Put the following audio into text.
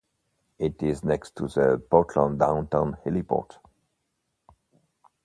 It is next to the Portland Downtown Heliport.